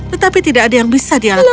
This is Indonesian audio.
tetapi tidak ada yang bisa dia lakukan